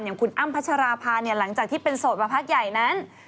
อย่างคุณอ้ำพัชราภาเนี่ยหลังจากที่เป็นโสดมาพักใหญ่นั้น